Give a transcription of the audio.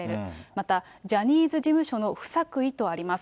またジャニーズ事務所の不作為とあります。